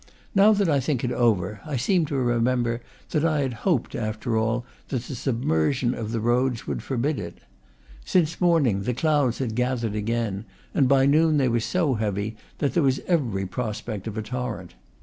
Now that I think it over, I seem to remember that I had hoped, after all, that the submersion of the roads would forbid it. Since morning the clouds had gathered again, and by noon they were so heavy that there was every prospect of a torrent.